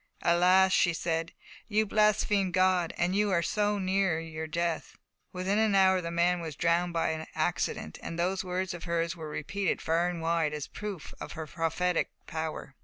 "Alas!" she said, "you blaspheme God, and you are so near your death!" Within an hour the man was drowned by accident, and those words of hers were repeated far and wide as a proof of her prophetic power.